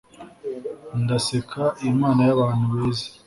Ndaseka Imana y'abantu beza